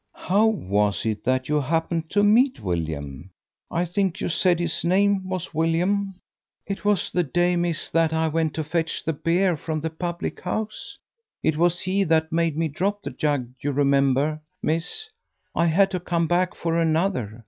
"How was it that you happened to meet William I think you said his name was William?" "It was the day, miss, that I went to fetch the beer from the public house. It was he that made me drop the jug; you remember, miss, I had to come back for another.